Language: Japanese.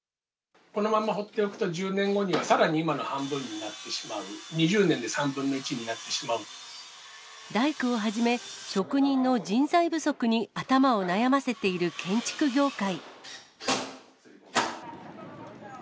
このまんま放っておくと、１０年後にはさらに今の半分になってしまう、大工をはじめ、職人の人材不足に頭を悩ませている建築業界。